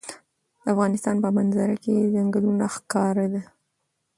د افغانستان په منظره کې چنګلونه ښکاره ده.